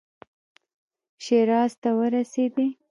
شیراز ته ورسېدی.